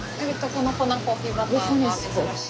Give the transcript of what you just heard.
このコナコーヒーバターが珍しい。